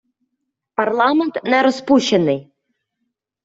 Парламент не розпущений.